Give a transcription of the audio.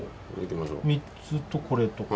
３つと、これと。